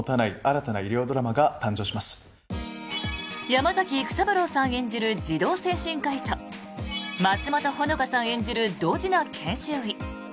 山崎育三郎さん演じる児童精神科医と松本穂香さん演じるドジな研修医。